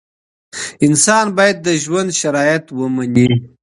انسان باید د ژوند شرایط ومني.